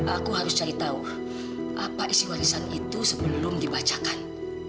aku harus cari tahu apa isi warisan itu sebelum dibacakan